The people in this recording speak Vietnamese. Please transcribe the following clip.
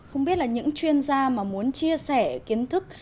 không biết là những chuyên gia mà muốn chia sẻ kiến thức